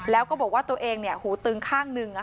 แล้วก็บอกว่าตัวเองเนี่ยหูตึงข้างนึงอ่ะค่ะ